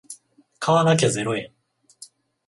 買わなきゃゼロ円